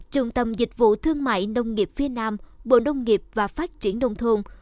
trung tâm dịch vụ thương mại nông nghiệp phía nam bộ nông nghiệp và phát triển đông thôn